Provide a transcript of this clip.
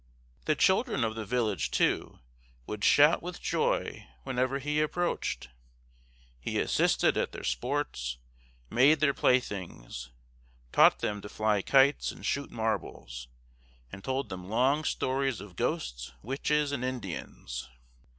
The children of the village, too, would shout with joy whenever he approached. He assisted at their sports, made their playthings, taught them to fly kites and shoot marbles, and told them long stories of ghosts, witches, and Indians.